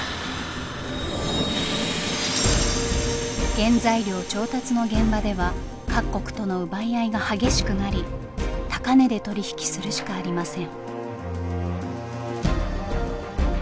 原材料調達の現場では各国との奪い合いが激しくなり高値で取り引きするしかありません。